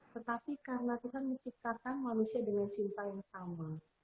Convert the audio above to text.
tetapi karena tuhan menciptakan manusia dengan cinta yang sama